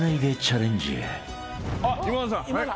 あっ今田さん。